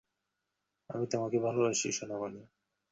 এলার ছোটো পরিবারে এই জন্তুটা একটা মস্ত অত্যাচার।